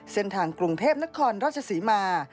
เส้นทางกรุงเทพนครราชศรีมา